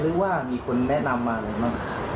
หรือว่ามีคนแนะนำมาอะไรบ้าง